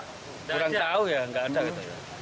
kurang tahu ya nggak ada gitu